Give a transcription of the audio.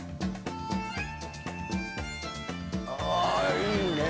あいいね。